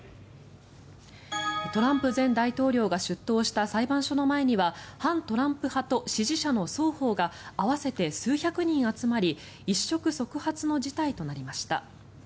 トランプ前大統領が出頭した裁判所の前には反トランプ派と支持者の双方が合わせて数百人集まり一触即発の事態となりました。